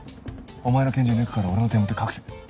お前の拳銃抜くから俺の手元隠せ。